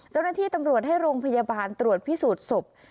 เจ้าหน้าที่ตำรวจให้โรงพยาบาลตรวจพิสูจน์ศพ